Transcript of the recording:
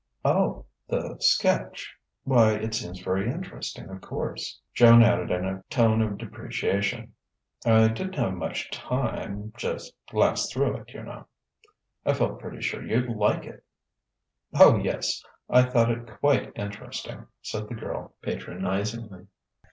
"Oh ... the sketch! Why, it seems very interesting. Of course," Joan added in a tone of depreciation, "I didn't have much time just glanced through it, you know " "I felt pretty sure you'd like it!" "Oh, yes; I thought it quite interesting," said the girl patronizingly.